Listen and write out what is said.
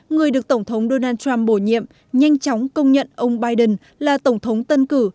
người được tổng thống donald trump bổ nhiệm nhanh chóng công nhận ông biden là tổng thống tân cử